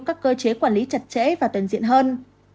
các cơ chế quản lý chặt chẽ và toàn diện hơn